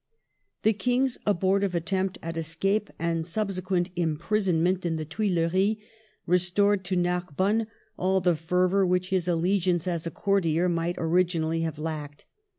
The King's abortive attempt at escape and subsequent imprisonment in the Tuileries restored to Nar bonne all the fervor which his allegiance as a courtier might originally have lacked.